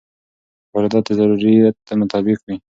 واردات د ضرورت مطابق وي.